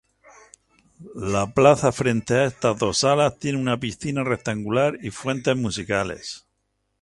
La plaza frente a estas dos alas tiene una piscina rectangular y fuentes musicales.